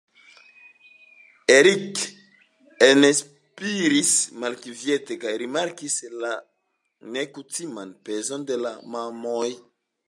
Eric enspiris malkviete kaj rimarkis la nekutiman pezon de la mamoj.